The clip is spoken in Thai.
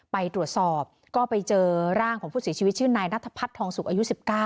ไปตรวจสอบก็ไปเจอร่างของผู้เสียชีวิตชื่อนายนัทพัฒนทองสุกอายุ๑๙